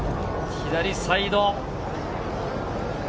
左サイド。